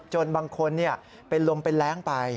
บางคนเป็นลมเป็นแรงไป